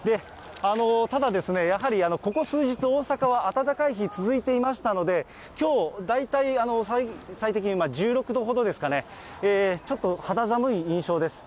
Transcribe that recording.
ただですね、やはりここ数日、大阪は暖かい日、続いていましたので、きょう、大体最低気温、１５、６度ほどですかね、ちょっと肌寒い印象です。